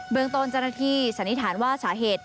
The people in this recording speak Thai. เมืองต้นเจ้าหน้าที่สันนิษฐานว่าสาเหตุ